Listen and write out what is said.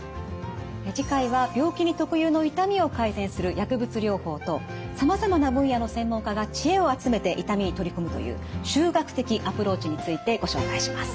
次回は病気に特有の痛みを改善する薬物療法とさまざまな分野の専門家が知恵を集めて痛みに取り組むという集学的アプローチについてご紹介します。